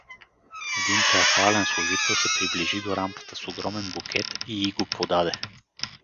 Един театрален служител се приближи до рампата с огромен букет и й го подаде.